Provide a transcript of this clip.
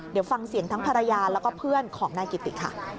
เดี๋ยวฟังเสียงทั้งภรรยาแล้วก็เพื่อนของนายกิติค่ะ